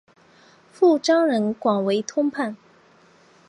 父张仁广为通判。